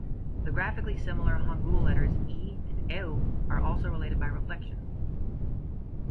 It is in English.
The graphically-similar hangul letters "i" and "eu" are also related by reflection.